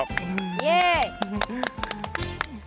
イエイ！